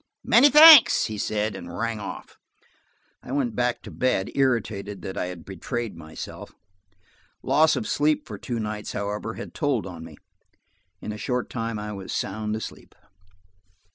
"Many thanks," he said, and rang off. I went back to bed, irritated that I had betrayed myself. Loss of sleep for two nights, however, had told on me: in a short time I was sound asleep.